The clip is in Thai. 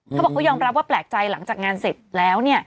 เขาบอกเขายอมรับว่าแปลกใจหลังจากงานเสร็จแล้วเนี่ย